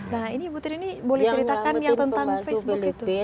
nah ini ibu tir ini boleh ceritakan ya tentang facebook itu